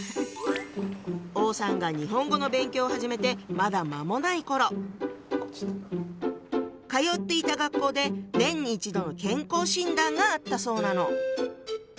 王さんが日本語の勉強を始めてまだ間もない頃通っていた学校で年に一度の健康診断があったそうなの。